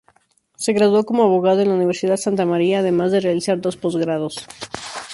Se graduó como abogado en la Universidad Santa María, además de realizar dos postgrados.